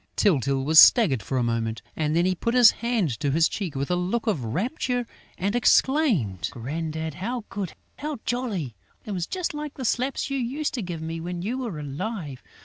Tyltyl was staggered for a moment; and then he put his hand to his cheek with a look of rapture and exclaimed: "Grandad, how good, how jolly! It was just like the slaps you used to give me when you were alive!...